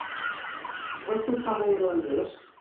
Você fala irlandês?